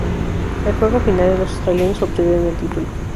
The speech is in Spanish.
En el juego final los australianos obtuvieron el título.